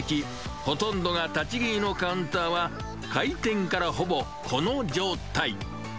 ほとんどが立ち食いのカウンターは、開店からほぼこの状態。